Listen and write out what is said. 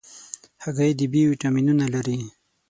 هګۍ د B ویټامینونه لري.